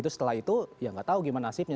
setelah itu ya nggak tahu gimana nasibnya